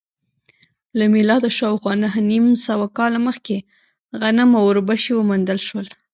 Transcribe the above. له میلاده شاوخوا نهه نیم سوه کاله مخکې غنم او اوربشې وموندل شول